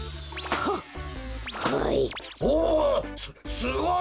すすごい！